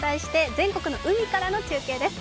全国の海からの中継です。